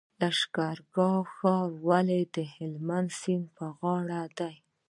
لښکرګاه ښار ولې د هلمند سیند په غاړه دی؟